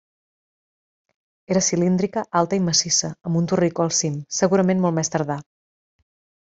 Era cilíndrica, alta i massissa, amb un torricó al cim, segurament molt més tardà.